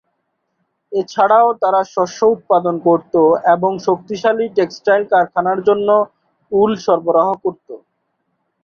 এছাড়াও তারা শস্য উৎপাদন করত এবং শক্তিশালী টেক্সটাইল কারখানার জন্য উল সরবরাহ করত।